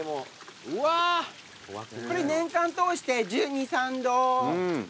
これ年間通して１２１３度。